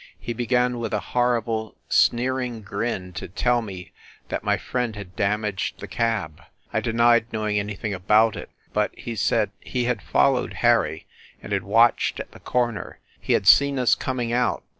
... He began with a horrible, sneering grin, to tell me that my friend had damaged the cab. ... I de nied knowing anything about it, but he said he had followed Harry, and had watched at the corner ... he had seen us coming out